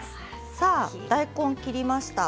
さあ大根を切りました。